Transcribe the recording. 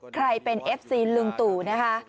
ใครเป็นเอฟซีลุงตู่นะคะ